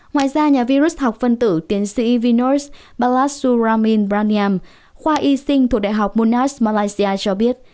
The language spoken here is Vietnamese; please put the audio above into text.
ngoài ra nhà virus học phân tử tiến sĩ vinos balasuramin branim khoa y sinh thuộc đại học monas malaysia cho biết